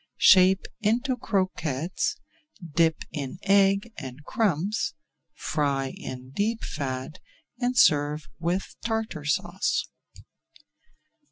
Shape into croquettes, dip in egg and crumbs, [Page 347] fry in deep fat, and serve with Tartar Sauce.